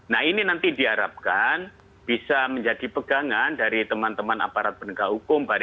nah ini nanti diharapkan bisa menjadi pegangan dari teman teman aparat penegak hukum